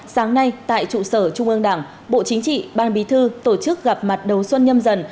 sáng nay tại trụ sở trung ương đảng bộ chính trị ban bí thư tổ chức gặp mặt đầu xuân nhâm dần